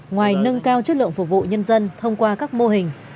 ngoài nâng cao chất lượng phục vụ nhân dân thông qua các mô hình